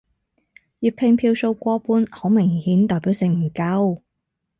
粵拼票數過半好明顯代表性唔夠